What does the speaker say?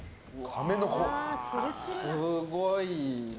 すごいな。